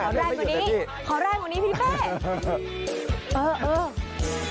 ขอร้ายมุนีขอร้ายมุนีพี่ป้า